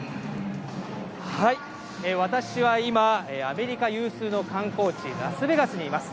私は今、アメリカ有数の観光地、ラスベガスにいます。